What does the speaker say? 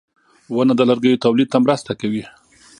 • ونه د لرګیو تولید ته مرسته کوي.